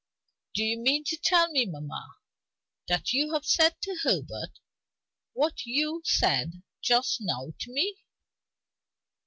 "Do you mean to tell me, mamma, that you have said to Herbert what you said just now to me?"